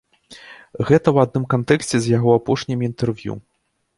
Гэта ў адным кантэксце з яго апошнімі інтэрв'ю.